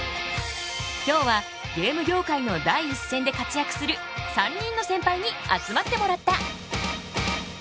今日はゲーム業界の第一線で活躍する３人のセンパイに集まってもらった。